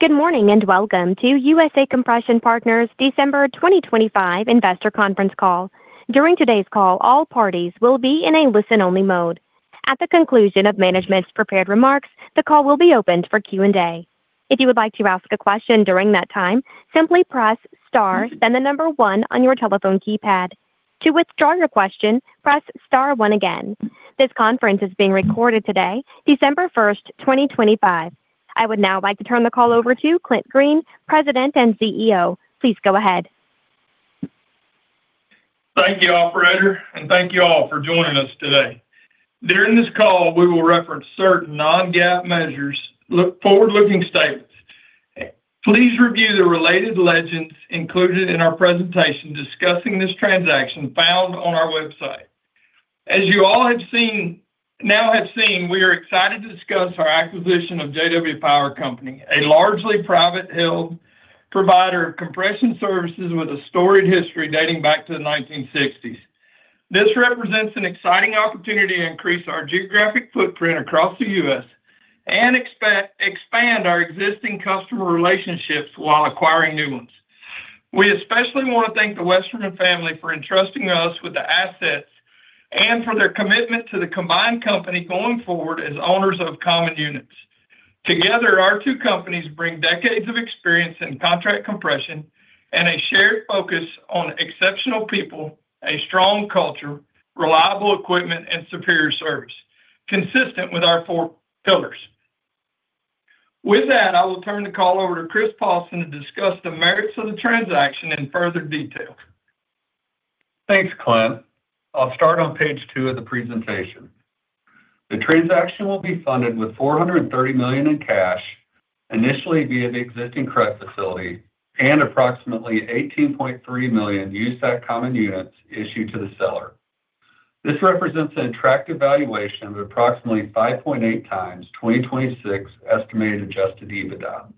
Good morning and welcome to USA Compression Partners' December 2025 Investor Conference Call. During today's call, all parties will be in a listen-only mode. At the conclusion of management's prepared remarks, the call will be opened for Q&A. If you would like to ask a question during that time, simply press star then the number one on your telephone keypad. To withdraw your question, press star one again. This conference is being recorded today, December 1st, 2025. I would now like to turn the call over to Clint Green, President and CEO. Please go ahead. Thank you, Operator, and thank you all for joining us today. During this call, we will reference certain non-GAAP measures, forward-looking statements. Please review the related legends included in our presentation discussing this transaction found on our website. As you all have seen, we are excited to discuss our acquisition of J-W Power Company, a largely privately-held provider of compression services with a storied history dating back to the 1960s. This represents an exciting opportunity to increase our geographic footprint across the U.S. and expand our existing customer relationships while acquiring new ones. We especially want to thank the Westerman family for entrusting us with the assets and for their commitment to the combined company going forward as owners of common units. Together, our two companies bring decades of experience in contract compression and a shared focus on exceptional people, a strong culture, reliable equipment, and superior service, consistent with our four pillars. With that, I will turn the call over to Chris Paulsen to discuss the merits of the transaction in further detail. Thanks, Clint. I'll start on page two of the presentation. The transaction will be funded with $430 million in cash, initially via the existing credit facility, and approximately 18.3 million USAC common units issued to the seller. This represents an attractive valuation of approximately 5.8x 2026 estimated Adjusted EBITDA.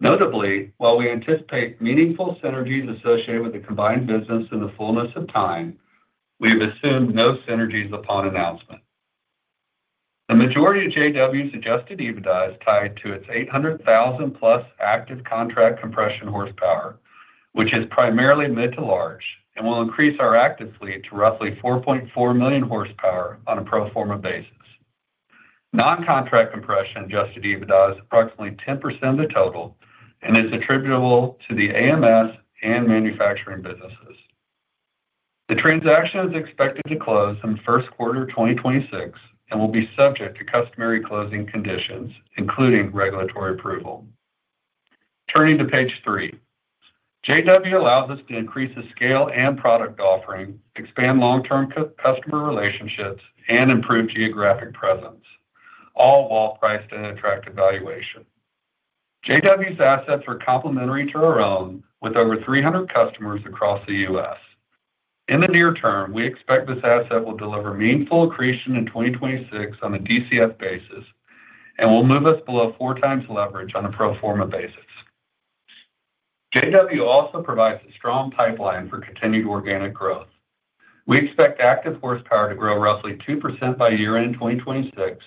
Notably, while we anticipate meaningful synergies associated with the combined business in the fullness of time, we have assumed no synergies upon announcement. The majority of J-W's Adjusted EBITDA is tied to its 800,000-plus active contract compression horsepower, which is primarily mid to large, and will increase our active fleet to roughly 4.4 million horsepower on a pro forma basis. Non-contract compression Adjusted EBITDA is approximately 10% of the total and is attributable to the AMS and manufacturing businesses. The transaction is expected to close in the first quarter of 2026 and will be subject to customary closing conditions, including regulatory approval. Turning to page three. J-W allows us to increase the scale and product offering, expand long-term customer relationships, and improve geographic presence, all while priced at an attractive valuation. J-W's assets are complementary to our own, with over 300 customers across the U.S. In the near term, we expect this asset will deliver meaningful accretion in 2026 on a DCF basis and will move us below 4x leverage on a pro forma basis. J-W also provides a strong pipeline for continued organic growth. We expect active horsepower to grow roughly 2% by year-end 2026,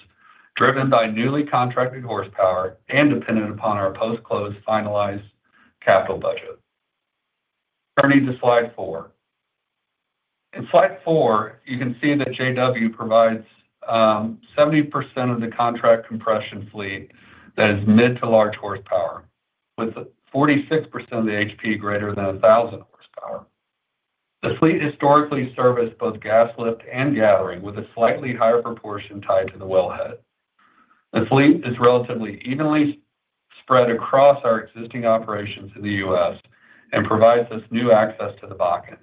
driven by newly contracted horsepower and dependent upon our post-close finalized capital budget. Turning to slide four. In slide four, you can see that J-W provides 70% of the contract compression fleet that is mid to large horsepower, with 46% of the HP greater than 1,000 horsepower. The fleet historically serviced both gas lift and gathering, with a slightly higher proportion tied to the wellhead. The fleet is relatively evenly spread across our existing operations in the U.S. and provides us new access to the Bakken.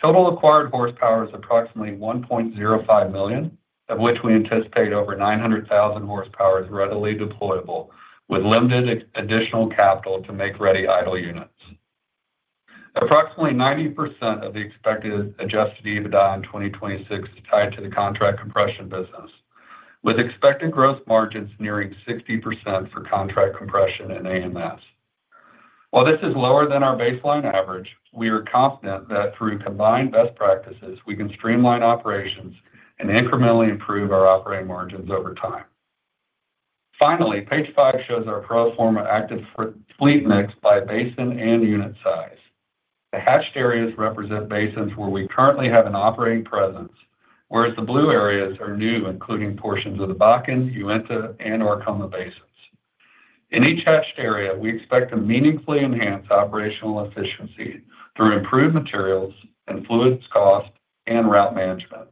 Total acquired horsepower is approximately 1.05 million, of which we anticipate over 900,000 horsepower is readily deployable, with limited additional capital to make ready idle units. Approximately 90% of the expected Adjusted EBITDA in 2026 is tied to the contract compression business, with expected gross margins nearing 60% for contract compression and AMS. While this is lower than our baseline average, we are confident that through combined best practices, we can streamline operations and incrementally improve our operating margins over time. Finally, page five shows our pro forma active fleet mix by basin and unit size. The hatched areas represent basins where we currently have an operating presence, whereas the blue areas are new, including portions of the Bakken, Uinta, and Arkoma basins. In each hatched area, we expect to meaningfully enhance operational efficiency through improved materials and fluids cost and route management.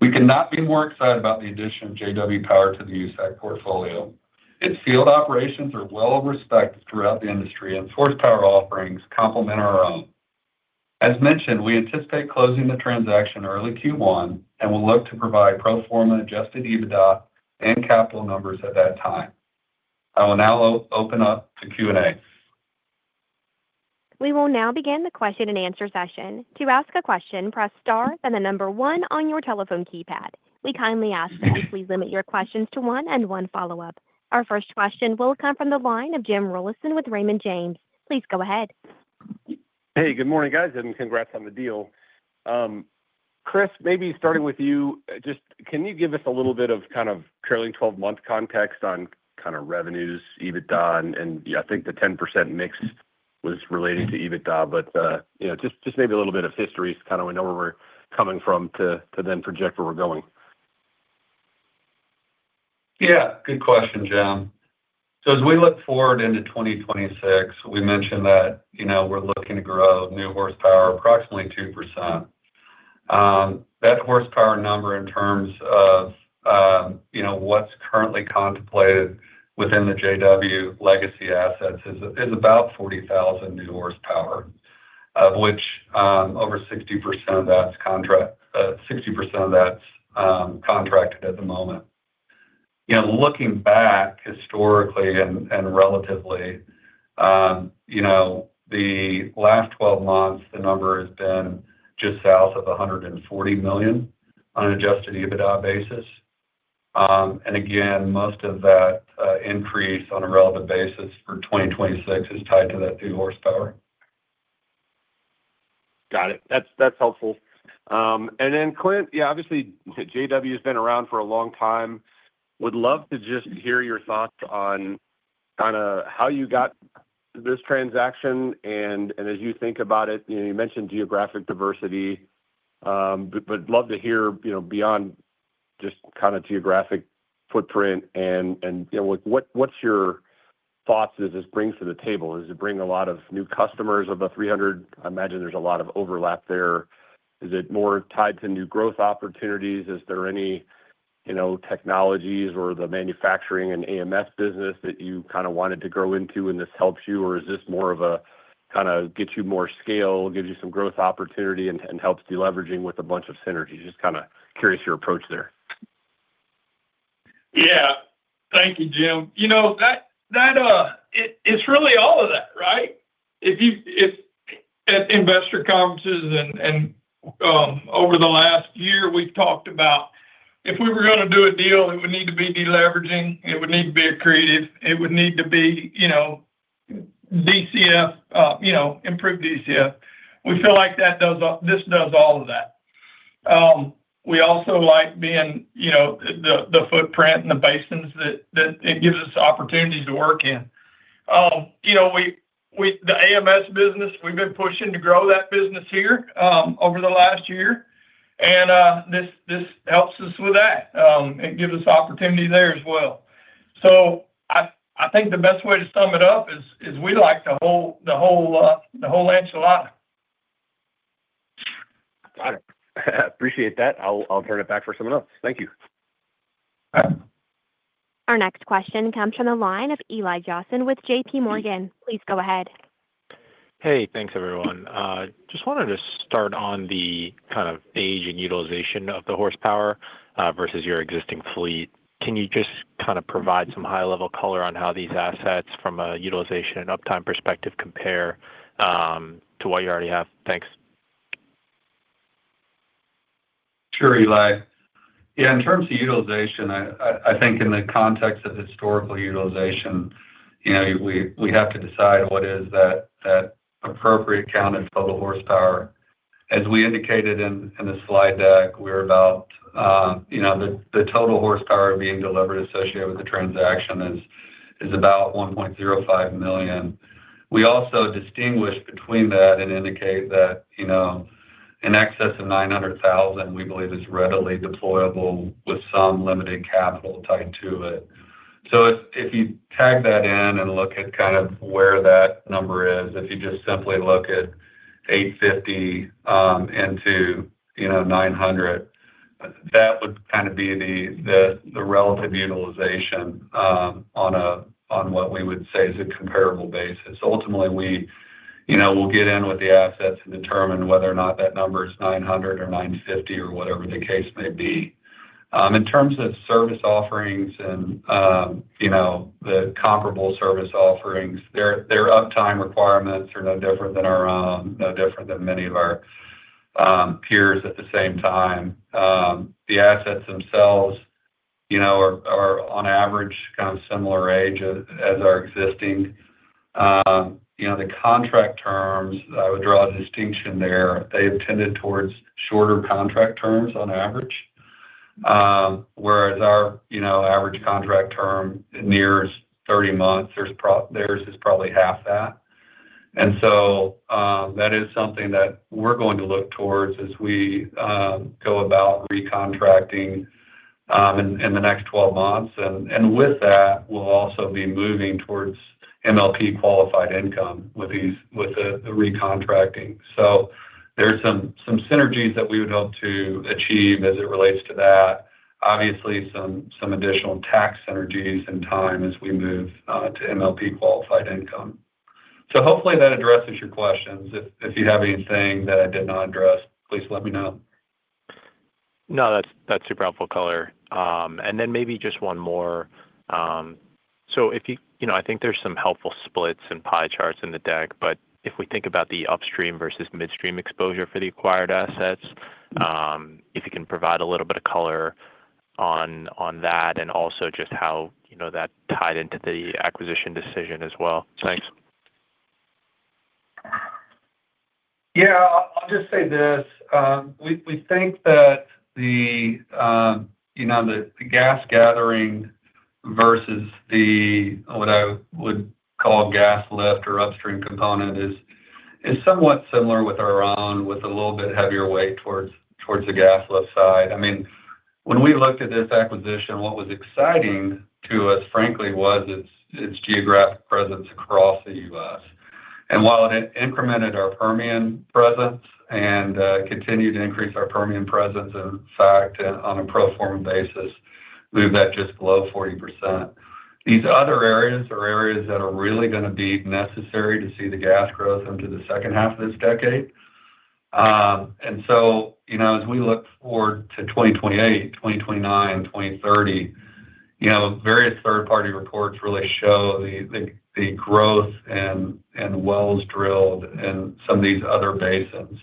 We could not be more excited about the addition of J-W Power to the USAC portfolio. Its field operations are well respected throughout the industry, and its horsepower offerings complement our own. As mentioned, we anticipate closing the transaction early Q1 and will look to provide pro forma Adjusted EBITDA and capital numbers at that time. I will now open up to Q&A. We will now begin the question and answer session. To ask a question, press star then the number one on your telephone keypad. We kindly ask that you please limit your questions to one and one follow-up. Our first question will come from the line of Jim Rollyson with Raymond James. Please go ahead. Hey, good morning, guys. Congrats on the deal. Chris, maybe starting with you, can you give us a little bit of kind of trailing 12-month context on revenues, EBITDA, and I think the 10% mix was related to EBITDA, but just maybe a little bit of history is kind of where we're coming from to then project where we're going. Yeah, good question, Jim. As we look forward into 2026, we mentioned that we're looking to grow new horsepower approximately 2%. That horsepower number in terms of what's currently contemplated within the J-W legacy assets is about 40,000 new horsepower, of which over 60% of that's contract, 60% of that's contracted at the moment. Looking back historically and relatively, the last 12 months, the number has been just south of $140 million on an Adjusted EBITDA basis. Again, most of that increase on a relative basis for 2026 is tied to that new horsepower. Got it. That's helpful. Clint, yeah, obviously, J-W has been around for a long time. Would love to just hear your thoughts on kind of how you got this transaction and as you think about it. You mentioned geographic diversity, but love to hear beyond just kind of geographic footprint and what your thoughts does this bring to the table. Does it bring a lot of new customers of the 300? I imagine there's a lot of overlap there. Is it more tied to new growth opportunities? Is there any technologies or the manufacturing and AMS business that you kind of wanted to grow into and this helps you, or is this more of a kind of gets you more scale, gives you some growth opportunity and helps deleveraging with a bunch of synergies? Just kind of curious your approach there. Yeah. Thank you, Jim. That is really all of that, right? At investor conferences and over the last year, we've talked about if we were going to do a deal, it would need to be deleveraging. It would need to be accretive. It would need to be DCF, improved DCF. We feel like this does all of that. We also like being the footprint and the basins that it gives us opportunities to work in. The AMS business, we've been pushing to grow that business here over the last year, and this helps us with that. It gives us opportunity there as well. I think the best way to sum it up is we like the whole enchilada. Got it. Appreciate that. I'll turn it back for someone else. Thank you. Our next question comes from the line of Eli Jossen with JPMorgan. Please go ahead. Hey, thanks, everyone. Just wanted to start on the kind of age and utilization of the horsepower versus your existing fleet. Can you just kind of provide some high-level color on how these assets from a utilization and uptime perspective compare to what you already have? Thanks. Sure, Eli. Yeah, in terms of utilization, I think in the context of historical utilization, we have to decide what is that appropriate count of total horsepower. As we indicated in the slide deck, we're about the total horsepower being delivered associated with the transaction is about 1.05 million. We also distinguish between that and indicate that in excess of 900,000, we believe, is readily deployable with some limited capital tied to it. If you tag that in and look at kind of where that number is, if you just simply look at 850 into 900, that would kind of be the relative utilization on what we would say is a comparable basis. Ultimately, we'll get in with the assets and determine whether or not that number is 900 or 950 or whatever the case may be. In terms of service offerings and the comparable service offerings, their uptime requirements are no different than our own, no different than many of our peers at the same time. The assets themselves are on average kind of similar age as our existing. The contract terms, I would draw a distinction there. They have tended towards shorter contract terms on average, whereas our average contract term nears 30 months, theirs is probably half that. That is something that we are going to look towards as we go about recontracting in the next 12 months. With that, we will also be moving towards MLP qualified income with the recontracting. There are some synergies that we would hope to achieve as it relates to that. Obviously, some additional tax synergies in time as we move to MLP qualified income. Hopefully that addresses your questions. If you have anything that I did not address, please let me know. No, that's super helpful color. Maybe just one more. I think there's some helpful splits and pie charts in the deck, but if we think about the upstream versus midstream exposure for the acquired assets, if you can provide a little bit of color on that and also just how that tied into the acquisition decision as well. Thanks. Yeah, I'll just say this. We think that the gas gathering versus the what I would call gas lift or upstream component is somewhat similar with our own with a little bit heavier weight towards the gas lift side. I mean, when we looked at this acquisition, what was exciting to us, frankly, was its geographic presence across the U.S. While it incremented our Permian presence and continued to increase our Permian presence, in fact, on a pro forma basis, moved that just below 40%. These other areas are areas that are really going to be necessary to see the gas growth into the second half of this decade. As we look forward to 2028, 2029, 2030, various third-party reports really show the growth and wells drilled in some of these other basins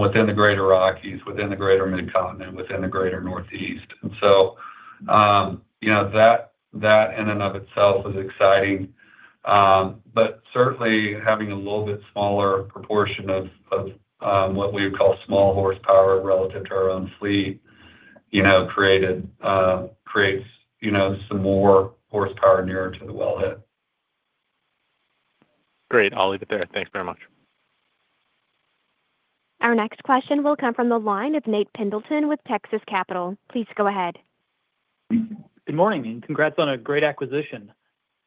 within the Greater Rockies, within the Greater Mid-Continent, within the Greater Northeast. That in and of itself is exciting. Certainly, having a little bit smaller proportion of what we would call small horsepower relative to our own fleet creates some more horsepower nearer to the wellhead. Great. I'll leave it there. Thanks very much. Our next question will come from the line of Nate Pendleton with Texas Capital. Please go ahead. Good morning, and congrats on a great acquisition.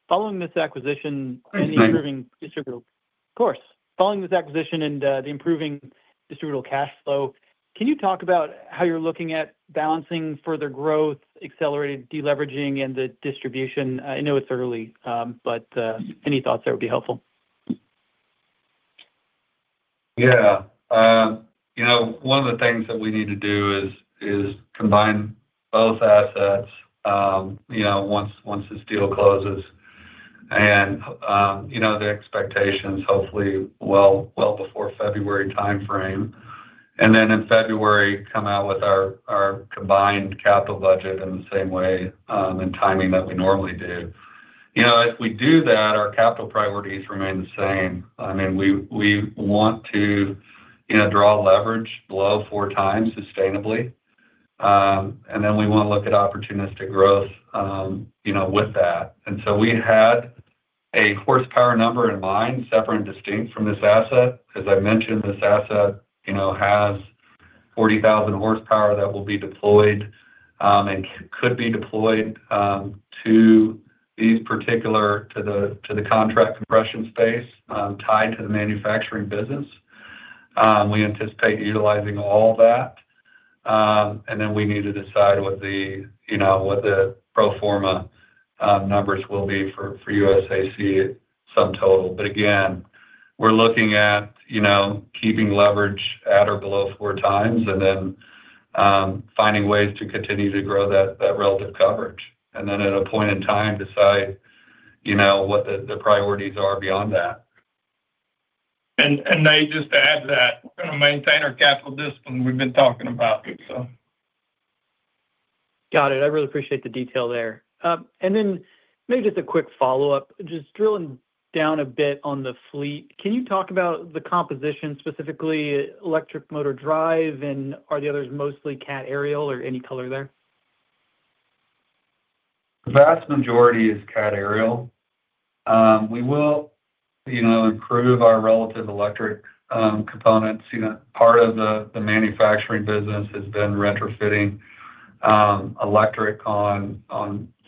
Following this acquisition and the improving distributable cash flow, can you talk about how you're looking at balancing further growth, accelerated deleveraging, and the distribution? I know it's early, but any thoughts that would be helpful? Yeah. One of the things that we need to do is combine both assets once the deal closes and the expectations, hopefully, well before February timeframe. In February, come out with our combined capital budget in the same way and timing that we normally do. If we do that, our capital priorities remain the same. I mean, we want to draw leverage below 4x sustainably. I mean, we want to look at opportunistic growth with that. We had a horsepower number in mind, separate and distinct from this asset. As I mentioned, this asset has 40,000 horsepower that will be deployed and could be deployed to these particular, to the contract compression space tied to the manufacturing business. We anticipate utilizing all that. We need to decide what the pro forma numbers will be for USAC sum total. We're looking at keeping leverage at or below 4x and then finding ways to continue to grow that relative coverage. At a point in time, decide what the priorities are beyond that. Nate just adds that we're going to maintain our capital discipline we've been talking about. Got it. I really appreciate the detail there. Maybe just a quick follow-up, just drilling down a bit on the fleet. Can you talk about the composition, specifically electric motor drive, and are the others mostly CAT Ariel or any color there? The vast majority is CAT Ariel. We will improve our relative electric components. Part of the manufacturing business has been retrofitting electric on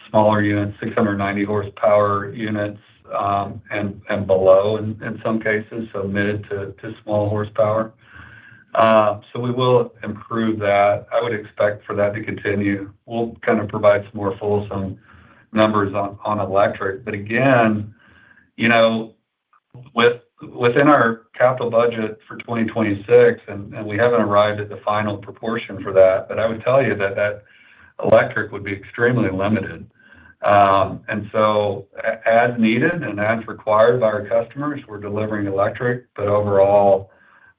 smaller units, 690 horsepower units and below in some cases, so mid to small horsepower. We will improve that. I would expect for that to continue. We'll kind of provide some more fulsome numbers on electric. Again, within our capital budget for 2026, and we haven't arrived at the final proportion for that, but I would tell you that electric would be extremely limited. As needed and as required by our customers, we're delivering electric. Overall,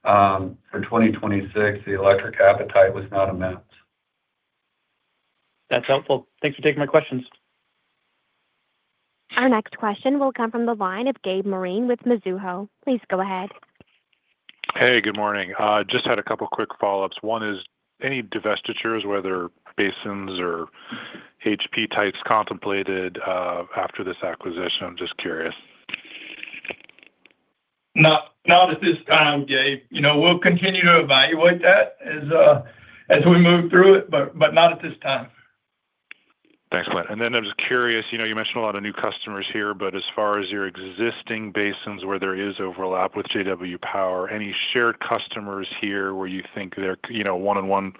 for 2026, the electric appetite was not immense. That's helpful. Thanks for taking my questions. Our next question will come from the line of Gabe Moreen with Mizuho. Please go ahead. Hey, good morning. Just had a couple of quick follow-ups. One is any divestitures, whether basins or HP types contemplated after this acquisition? I'm just curious. No, not at this time, Gabe. We'll continue to evaluate that as we move through it, but not at this time. Thanks, Clint. I am just curious, you mentioned a lot of new customers here, but as far as your existing basins where there is overlap with J-W Power, any shared customers here where you think one-on-one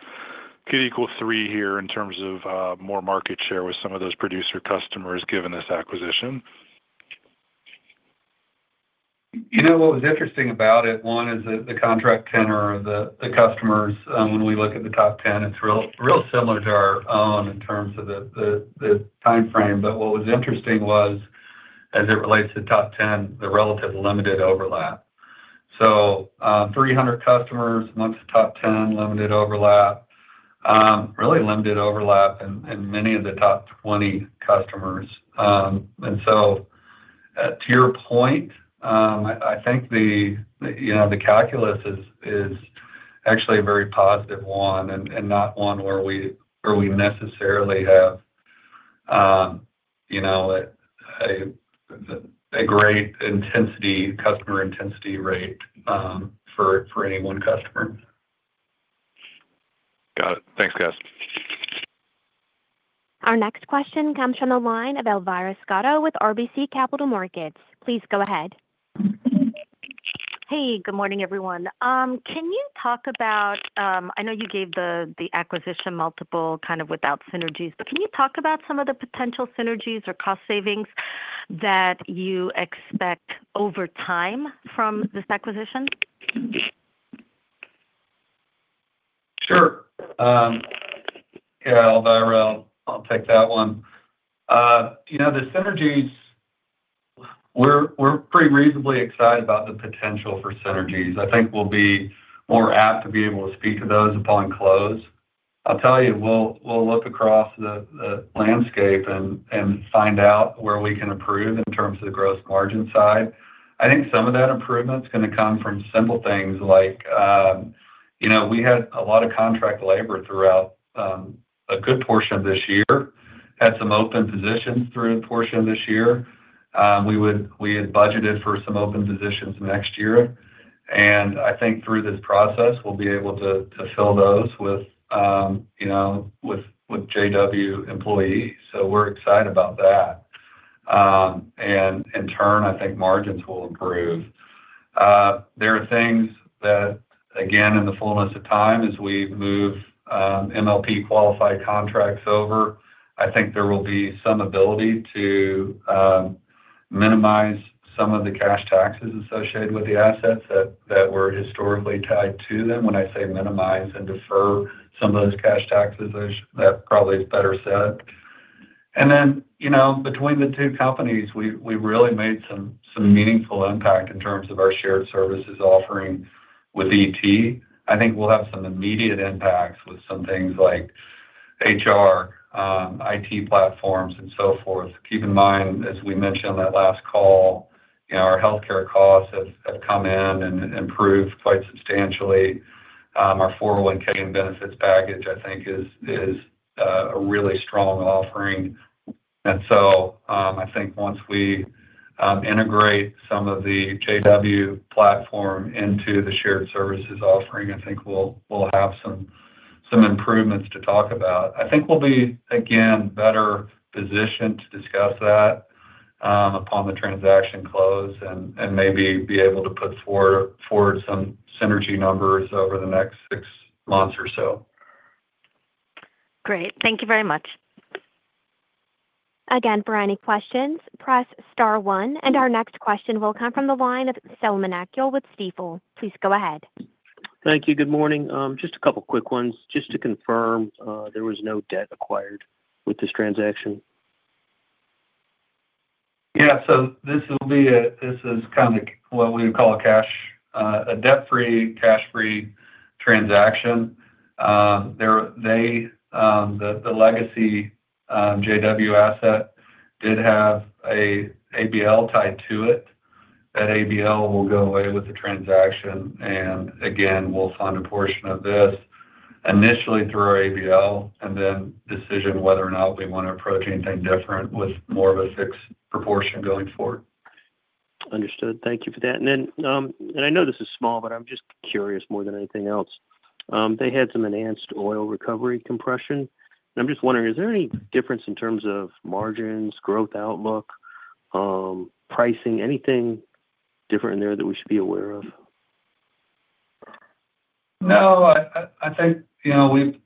could equal three here in terms of more market share with some of those producer customers given this acquisition? What was interesting about it, one is the contract tenor, the customers. When we look at the top 10, it is real similar to our own in terms of the timeframe. What was interesting was, as it relates to top 10, the relative limited overlap. Three hundred customers, amongst top 10, limited overlap, really limited overlap in many of the top 20 customers. To your point, I think the calculus is actually a very positive one and not one where we necessarily have a great customer intensity rate for any one customer. Got it. Thanks, guys. Our next question comes from the line of Elvira Scotto with RBC Capital Markets. Please go ahead. Hey, good morning, everyone. Can you talk about—I know you gave the acquisition multiple kind of without synergies—but can you talk about some of the potential synergies or cost savings that you expect over time from this acquisition? Sure. Yeah, Elvira, I'll take that one. The synergies, we're pretty reasonably excited about the potential for synergies. I think we'll be more apt to be able to speak to those upon close. I'll tell you, we'll look across the landscape and find out where we can improve in terms of the gross margin side. I think some of that improvement is going to come from simple things like we had a lot of contract labor throughout a good portion of this year, had some open positions through a portion of this year. We had budgeted for some open positions next year. I think through this process, we'll be able to fill those with J-W employees. We're excited about that. In turn, I think margins will improve. There are things that, again, in the fullness of time, as we move MLP qualified contracts over, I think there will be some ability to minimize some of the cash taxes associated with the assets that were historically tied to them. When I say minimize and defer some of those cash taxes, that probably is better said. Between the two companies, we really made some meaningful impact in terms of our shared services offering with ET. I think we'll have some immediate impacts with some things like HR, IT platforms, and so forth. Keep in mind, as we mentioned on that last call, our healthcare costs have come in and improved quite substantially. Our 401(k) and benefits package, I think, is a really strong offering. I think once we integrate some of the J-W platform into the shared services offering, I think we'll have some improvements to talk about. I think we'll be, again, better positioned to discuss that upon the transaction close and maybe be able to put forward some synergy numbers over the next six months or so. Great. Thank you very much. Again, for any questions, press star one. Our next question will come from the line of Selman Akyol with Stifel. Please go ahead. Thank you. Good morning. Just a couple of quick ones. Just to confirm, there was no debt acquired with this transaction? Yeah. This is kind of what we would call a cash, a debt-free, cash-free transaction. The legacy J-W asset did have an ABL tied to it. That ABL will go away with the transaction. Again, we'll fund a portion of this initially through our ABL and then decision whether or not we want to approach anything different with more of a fixed proportion going forward. Understood. Thank you for that. I know this is small, but I'm just curious more than anything else. They had some enhanced oil recovery compression. I'm just wondering, is there any difference in terms of margins, growth outlook, pricing, anything different in there that we should be aware of? No. I think CMG,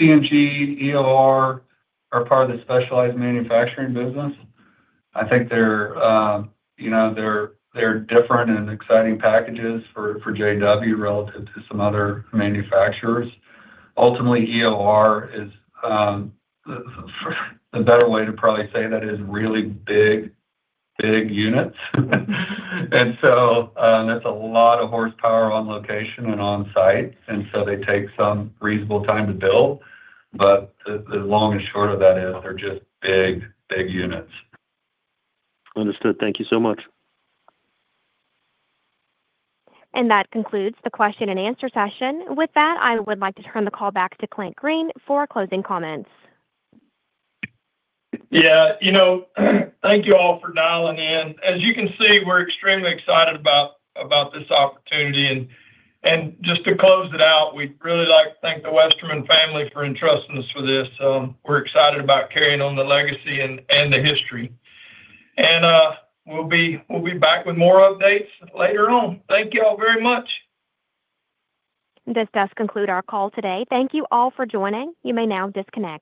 EOR are part of the specialized manufacturing business. I think they're different and exciting packages for J-W relative to some other manufacturers. Ultimately, EOR is the better way to probably say that is really big, big units. That is a lot of horsepower on location and on site. They take some reasonable time to build. The long and short of that is they're just big, big units. Understood. Thank you so much. That concludes the question and answer session. With that, I would like to turn the call back to Clint Green for closing comments. Thank you all for dialing in. As you can see, we're extremely excited about this opportunity. Just to close it out, we'd really like to thank the Westerman family for entrusting us with this. We're excited about carrying on the legacy and the history. We'll be back with more updates later on. Thank you all very much. This does conclude our call today. Thank you all for joining. You may now disconnect.